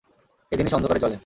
এ জিনিস অন্ধকারে জ্বলে।